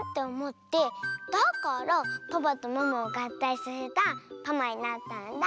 だからパパとママをがったいさせたパマになったんだ。